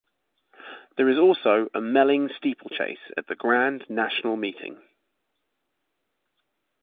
There is also a Melling Steeplechase at the Grand National meeting.